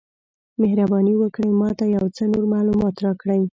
مهرباني وکړئ ما ته یو څه نور معلومات راکړئ؟